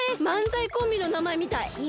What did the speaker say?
まんざいコンビの名前みたい。